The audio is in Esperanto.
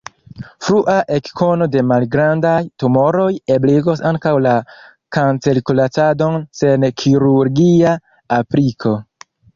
Frua ekkono de malgrandaj tumoroj ebligos ankaŭ la kancerkuracadon sen kirurgia apliko.